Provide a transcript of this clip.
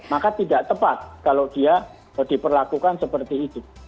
maka tidak tepat kalau dia diperlakukan seperti itu